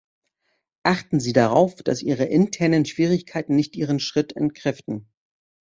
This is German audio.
Achten Sie darauf, dass Ihre internen Schwierigkeiten nicht Ihren Schritt entkräften.